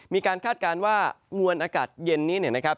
มีการคาดการณ์ว่างวนอากาศเย็นนี้นะครับ